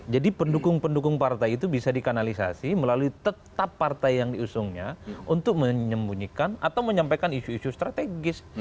jadi pendukung pendukung partai itu bisa dikanalisasi melalui tetap partai yang diusungnya untuk menyembunyikan atau menyampaikan isu isu strategis